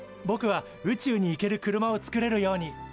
ぼくは「宇宙に行ける車を作れるように」。